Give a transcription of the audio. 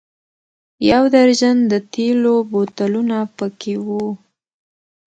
یو درجن د تېلو بوتلونه په کې و.